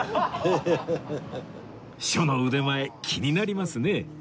書の腕前気になりますね